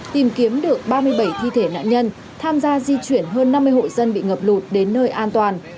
tìm kiếm được ba mươi bảy thi thể nạn nhân tham gia di chuyển hơn năm mươi hộ dân bị ngập lụt đến nơi an toàn